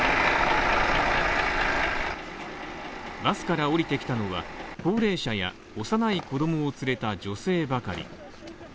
バスから降りてきたのは、高齢者や幼い子供を連れた女性ばかり。